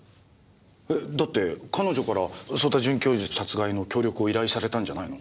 えっだって彼女から曽田准教授殺害の協力を依頼されたんじゃないの？